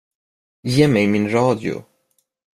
Ge mig min radio.